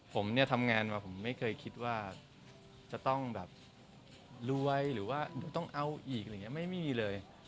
ผมทำงานมาไม่เคยคิดว่าจะต้องรวยหรือว่าต้องเอาอีกไม่มีเลย